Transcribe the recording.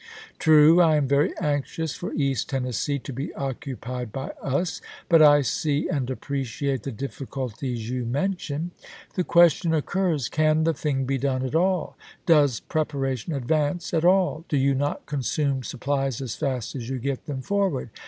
True, I am very anxious for East Tennessee to be occu pied by us ; but I see and appreciate the difficul ties you mention. The question occurs, Can the thing be done at all ? Does preparation advance at all ? Do you not consume supplies as fast as you get them forward